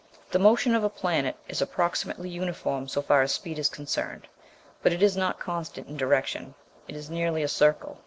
The motion of a planet is approximately uniform so far as speed is concerned, but it is not constant in direction; it is nearly a circle.